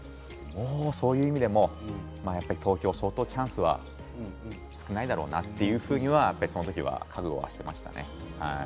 そういう意味でも東京は相当チャンスが少ないだろうなと、その時は思っていましたね。